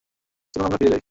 চলুন, আমরা ফিরে যাই।